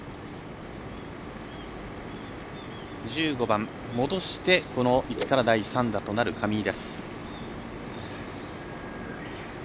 １５番、戻して第３打となる上井。